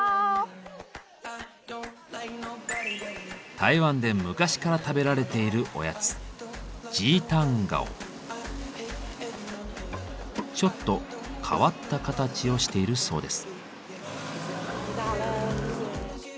台湾で昔から食べられているおやつちょっと変わった形をしているそうです。